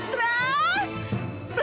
kalau begini bibi stress